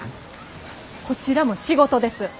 こちらも仕事です。